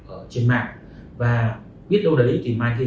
ở trên mạng và biết đâu đấy thì mai thế